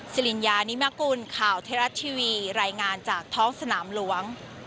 สิริญญานิมกุลข่าวไทยรัฐทีวีรายงานจากท้องสนามหลวง